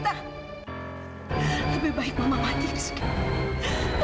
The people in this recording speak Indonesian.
dan menceritakan semua rahasia kita